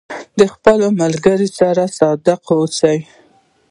د خپلو ملګرو سره صادق اوسئ.